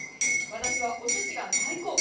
私はおすしが大好物。